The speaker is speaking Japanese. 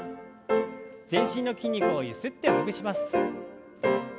全身の筋肉をゆすってほぐします。